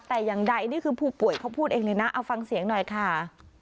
แต่อย่างใดนี่คือผู้ป่วยเขาพูดเองเลยนะเอาฟังเสียงหน่อยค่ะ